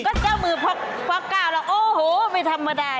ก็เจ้ามือพักกล่าวแล้วโอ้โฮไม่ทำมาได้